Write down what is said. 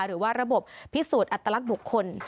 หรือว่าระบบพิสูจน์อัตลักษณ์บุคคล